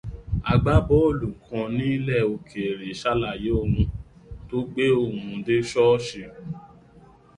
Agbábọ́ọ̀lù kan nílẹ̀ òkèrè ṣàlàyé ohun tó gbe òun dé ṣọ́ọ̀ṣì.